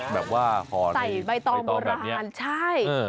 แบบว่าใส่ใบตองโบราณใช่